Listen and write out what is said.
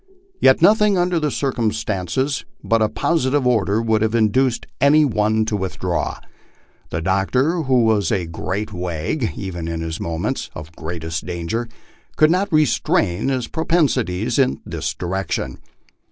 Yet nothing, under the circum stances, but a positive order would have induced any one to withdraw. The doctor, who was a great wag, even in moments of greatest danger, could not restrain his propensities in this direction.